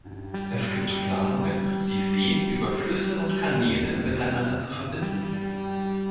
Es gibt Planungen, die Seen über Flüsse und Kanäle miteinander zu verbinden.